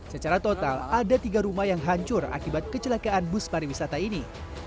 secara total ada tiga rumah yang hancur akibat kecelakaan bus pariwisata ini